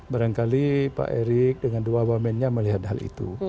barangkali pak erick dengan dua wamennya melihat hal itu